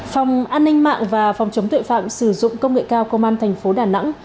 phòng an ninh mạng và phòng chống tội phạm sử dụng công nghệ cao công an thành phố đà nẵng